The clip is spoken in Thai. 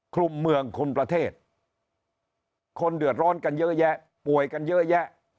คลุมเมืองคลุมประเทศคนเดือดร้อนกันเยอะแยะป่วยกันเยอะแยะ